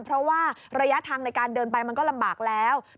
เพราะว่าระยะทางในการเดินไปมันก็ลำบากแล้ว